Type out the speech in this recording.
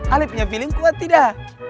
ale punya film kuat tidak